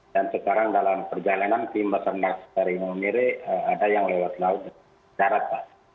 dan sekarang dalam perjalanan tim basarnas dari momire ada yang lewat laut darat